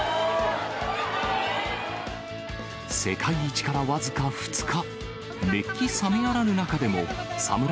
世界一から僅か２日。